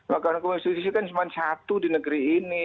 mahkamah konstitusi kan cuma satu di negeri ini